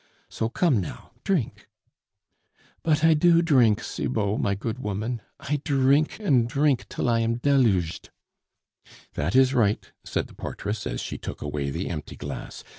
So, come now, drink " "But I do drink, Cibot, my good woman; I drink and drink till I am deluged " "That is right," said the portress, as she took away the empty glass.